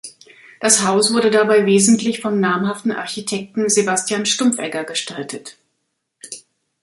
Das Haus wurde dabei wesentlich vom namhaften Architekten Sebastian Stumpfegger gestaltet.